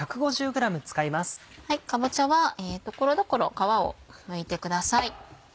かぼちゃは所々皮をむいてください。